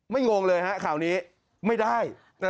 งงเลยฮะข่าวนี้ไม่ได้